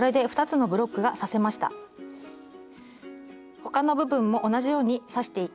他の部分も同じように刺していき